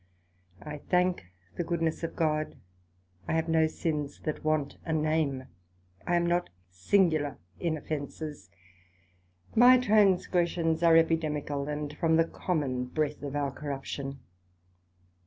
I thank the goodness of God, I have no sins that want a name; I am not singular in offences; my transgressions are Epidemical, and from the common breath of our corruption.